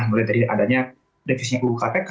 mulai dari adanya defisit uu kpk